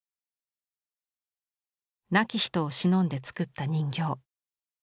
亡き人をしのんで作った人形。